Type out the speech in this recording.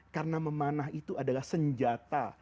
karena memanah itu adalah senjata